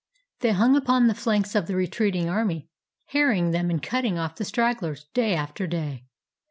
They hung upon the flanks of the retreating army, harrying them, and cutting off the stragglers day after day.